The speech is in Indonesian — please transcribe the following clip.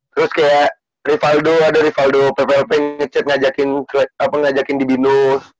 terus kayak rivaldo ada rivaldo pplp ngajakin ngajakin di binus